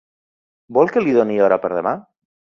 Vol que li doni hora per demà?